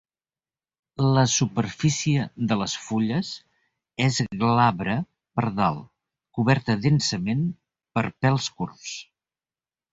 La superfície de les fulles és glabra per dalt, coberta densament per pèls curts.